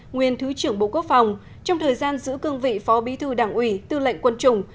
nguyên thứ trưởng bộ quốc phòng trong thời gian giữ cương vị phó bí thư đảng ủy tư lệnh quân chủng